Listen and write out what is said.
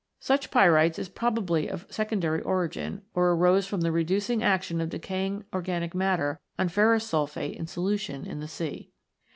Such pyrites is probably of secondary origin, or arose from the reducing action of decaying organic matter on ferrous sulphate in solution in the sea.